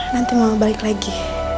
nanti mama balik lagi